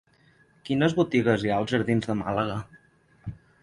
Quines botigues hi ha als jardins de Màlaga?